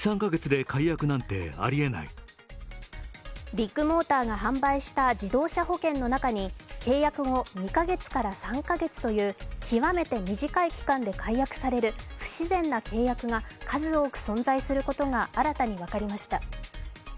ビッグモーターが販売した自動車保険の中に契約後２か月から３か月という極めて短い期間で解約される不自然な契約が数多く存在することが新たに分かりました。